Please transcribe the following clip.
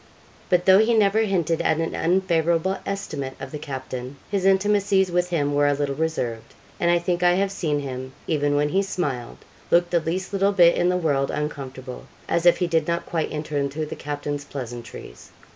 But though he never hinted at an unfavourable estimate of the captain, his intimacies with him were a little reserved; and I think I have seen him, even when he smiled, look the least little bit in the world uncomfortable, as if he did not quite enter into the captain's pleasantries.